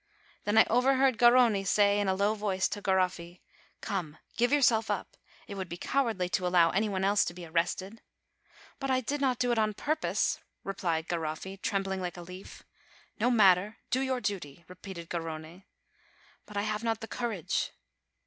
Then I overheard Garrone say in a low voice to Garoffi, "Come, give yourself up; it would be cowardly to allow any one else to be arrested." "But I did not do it on purpose," replied Garoffi, trembling like a leaf. "No matter; do your duty," repeated Garrone. "But I have not the courage."